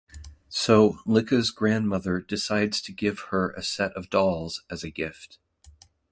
So Licca's grandmother decides to give her a set of dolls as a gift.